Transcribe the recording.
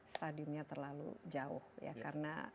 stadiumnya terlalu jauh ya